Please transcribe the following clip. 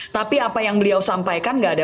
tapi apa yang beliau sampaikan tidak ada